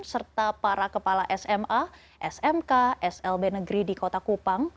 serta para kepala sma smk slb negeri di kota kupang